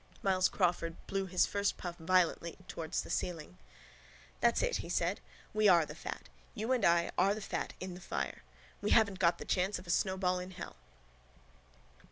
Myles Crawford blew his first puff violently towards the ceiling. —That's it, he said. We are the fat. You and I are the fat in the fire. We haven't got the chance of a snowball in hell.